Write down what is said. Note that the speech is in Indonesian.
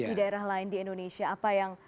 di daerah lain di indonesia apa yang